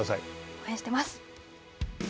応援してます。